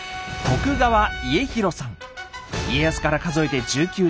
家康から数えて１９代目。